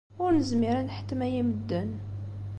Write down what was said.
Ur nezmir ad nḥettem aya i medden.